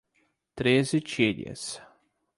Treze Tílias